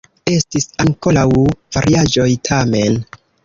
Estis ankoraŭ variaĵoj, tamen.